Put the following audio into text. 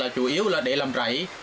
chủ yếu là để làm rảy